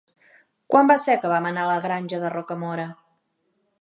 Quan va ser que vam anar a la Granja de Rocamora?